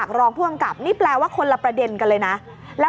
ก็ไม่มีอำนาจ